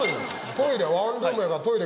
トイレワンルームやからトイレ